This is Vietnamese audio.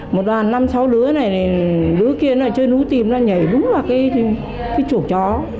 một đoàn năm sáu đứa này đứa kia nó chơi nú tìm ra nhảy đúng là cái chỗ chó